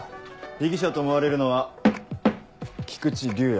被疑者と思われるのは菊池竜哉。